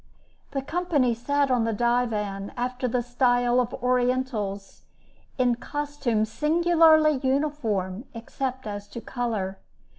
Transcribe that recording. The company sat upon the divan after the style of Orientals, in costume singularly uniform, except as to color.